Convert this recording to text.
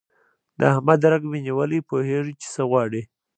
د احمد رګ مې نیولی، پوهېږ چې څه غواړي.